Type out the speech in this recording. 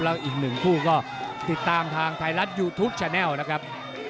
แล้วอีกหนึ่งคู่ก็ติดตามทางไทยรัฐยูทูปแชนัลนะครับ